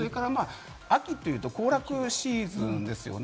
秋というと行楽シーズンですよね。